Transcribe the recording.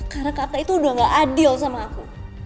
karena kakak itu udah gak adil sama aku